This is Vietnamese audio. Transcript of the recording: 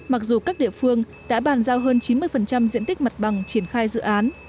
mặc dù các địa phương đã bàn giao hơn chín mươi diện tích mặt bằng triển khai dự án